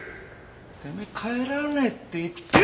てめえ帰らねえって言ってんだろ